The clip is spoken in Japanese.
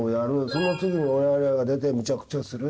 その次に我々が出てめちゃくちゃする。